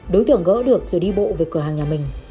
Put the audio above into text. đối tượng gỡ được rồi đi bộ về cửa hàng nhà mình